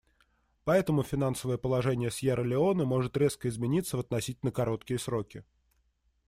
Поэтому финансовое положение Сьерра-Леоне может резко измениться в относительно короткие сроки.